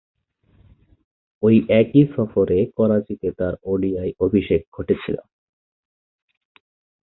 ঐ একই সফরে করাচীতে তার ওডিআই অভিষেক ঘটেছিল।